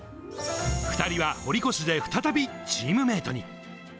２人は堀越で再びチームメートに。